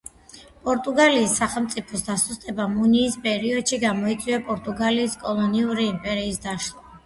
პორტუგალიის სახელმწიფოს დასუსტებამ უნიის პერიოდში გამოიწვია პორტუგალიის კოლონიური იმპერიის დაშლა.